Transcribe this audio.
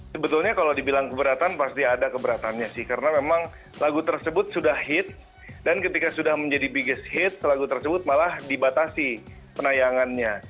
sebetulnya kalau dibilang keberatan pasti ada keberatannya sih karena memang lagu tersebut sudah hit dan ketika sudah menjadi biggest hits lagu tersebut malah dibatasi penayangannya